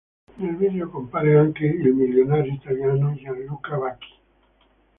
Nel video compare anche il milionario italiano Gianluca Vacchi.